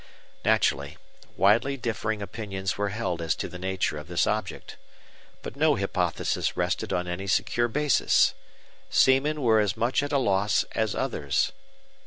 Naturally, widely differing opinions were held as to the nature of this object. But no hypothesis rested on any secure basis. Seamen were as much at a loss as others.